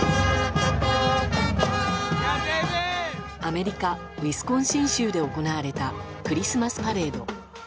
アメリカ・ウィスコンシン州で行われたクリスマスパレード。